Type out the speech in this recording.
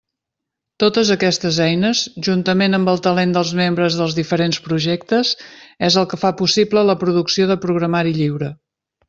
Totes aquestes eines, juntament amb el talent dels membres dels diferents projectes, és el que fa possible la producció de programari lliure.